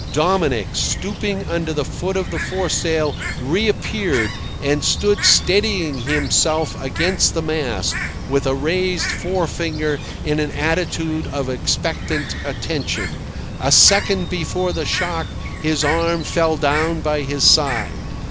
Dominic, stooping under the foot of the foresail, reappeared, and stood steadying himself against the mast, with a raised forefinger in an attitude of expectant attention. A second before the shock his arm fell down by his side.